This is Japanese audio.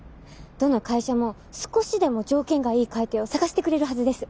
どの会社も少しでも条件がいい買い手を探してくれるはずです。